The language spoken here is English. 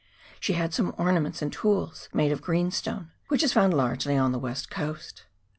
She had some ornaments and tools made of greenstone, which is found largely on the "West Coast.